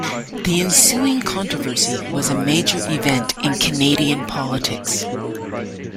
The ensuing controversy was a major event in Canadian politics.